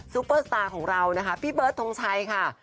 เปอร์สตาร์ของเรานะคะพี่เบิร์ดทงชัยค่ะ